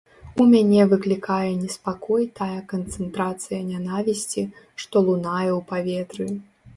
У мяне выклікае неспакой тая канцэнтрацыя нянавісці, што лунае ў паветры.